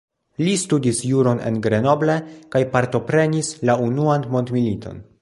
Li studis juron en Grenoble kaj partoprenis la Unuan Mondmiliton.